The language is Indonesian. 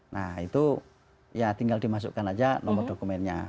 nah itu ya tinggal dimasukkan aja nomor dokumennya